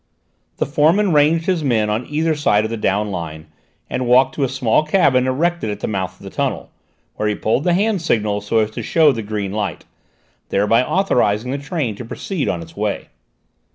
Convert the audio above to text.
The foreman ranged his men on either side of the down line and walked to a small cabin erected at the mouth of the tunnel, where he pulled the hand signal so as to show the green light, thereby authorising the train to proceed on its way.